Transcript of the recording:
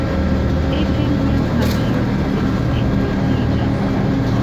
Eble mia paĉjo jam enlitiĝis."